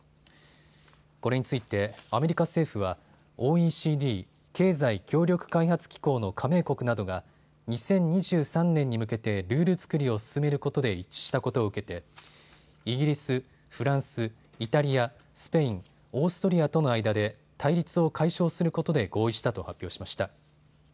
これについてアメリカ政府はＯＥＣＤ・経済協力開発機構の加盟国などが２０１３年に向けてルール作りを進めることで一致したことを受けてイギリス、フランス、イタリア、スペイン、オーストリアとの間で対立を解消することで合意したと発表しました。